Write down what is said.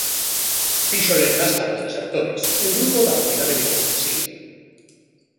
Fixo letras para os Desertores, un grupo da movida de Vigo, si.